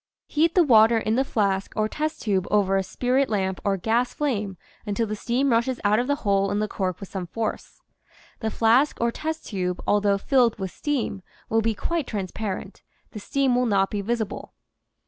Heat the water in the flask or test tube over a spirit lamp or gas flame until the steam rushes out of the hole in the cork with some force. The flask or test tube, al though filled with steam, will be quite transparent; the steam will not be visible.